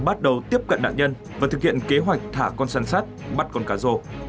lầu tiếp cận đạn nhân và thực hiện kế hoạch thả con săn sát bắt con cá rô